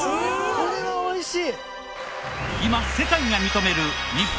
これはおいしい！